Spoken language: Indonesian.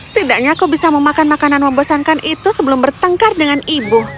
setidaknya aku bisa memakan makanan membosankan itu sebelum bertengkar dengan ibu